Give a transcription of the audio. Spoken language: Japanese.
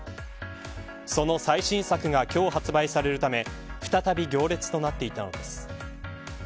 その最新作が今日発売されるため再び行列となっていたのです。